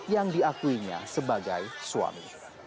yang diakuinya sebagai suami